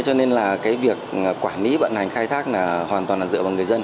cho nên việc quản lý bận hành khai thác hoàn toàn dựa vào người dân